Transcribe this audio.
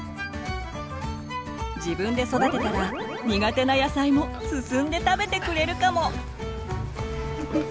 自分で育てたら苦手な野菜も進んで食べてくれるかも！